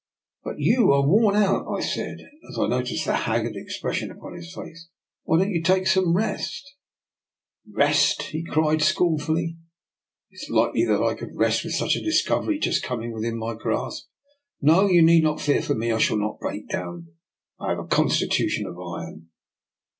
"But you are worn out," I said, as I no ticed the haggard expression upon his face. " Why don't you take some rest? " 194 DR. NIKOLA'S EXPERIMENT. " Rest !" he cried scornfully. " Is it like ly that I could rest with such a discovery just coming within my grasp? No; you need not fear for me, I shall not break down. I have a constitution of iron."